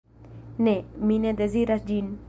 Ne, mi ne deziras ĝin.